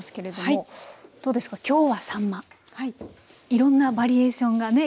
いろんなバリエーションがね